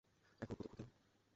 এমন কতক্ষণ গেল।